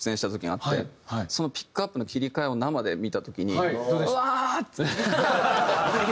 そのピックアップの切り替えを生で見た時にうわー！って。